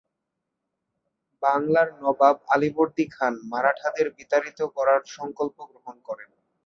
বাংলার নবাব আলীবর্দী খান মারাঠাদের বিতাড়িত করার সংকল্প গ্রহণ করেন।